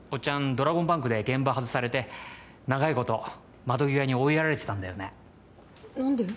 ドラゴンバンクで現場外されて長いこと窓際に追いやられてたんだよね何で？